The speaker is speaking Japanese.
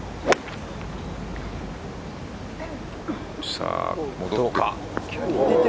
さあ、どうか。